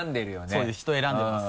そうです人選んでます。